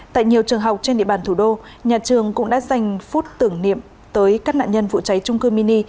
tại nhiều trường học trên địa bàn thủ đô nhà trường cũng đã dành phút tưởng niệm tới các nạn nhân vụ cháy trung cư mini